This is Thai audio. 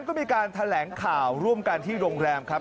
ก็มีการแถลงข่าวร่วมกันที่โรงแรมครับ